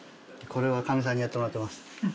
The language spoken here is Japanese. これはかみさんにやってもらってます